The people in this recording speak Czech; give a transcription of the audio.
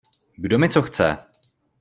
Kdo mi co chce?